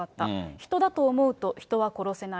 人だと思うと人は殺せない。